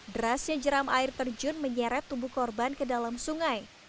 derasnya jeram air terjun menyeret tubuh korban ke dalam sungai